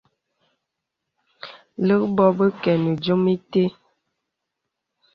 Lə̀k bò bə kə nə diōm itə̀.